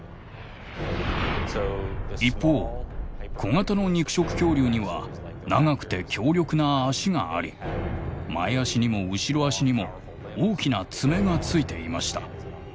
一方小型の肉食恐竜には長くて強力な脚があり前あしにも後ろあしにも大きな爪がついていました。